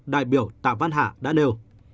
đại biểu tạ văn hạ đã nêu